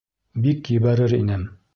Бик ебәрер инем...